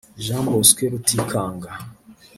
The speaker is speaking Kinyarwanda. Jean Bosco Rutikanga